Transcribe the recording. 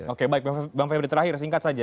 oke baik bang febri terakhir singkat saja